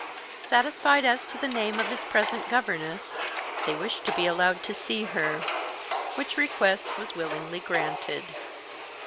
Satisfied as to the name of his present governess, they wished to be allowed to see her, which request was willingly granted.